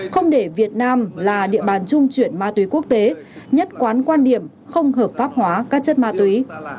không để việt nam là địa bàn trung chuyển ma túy quốc tế nhất quán quan điểm không hợp pháp hóa các chất ma túy